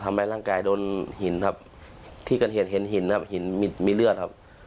ทำไมร่างกายโดนหินครับที่กันเห็นหินครับหินมีเลือดครับ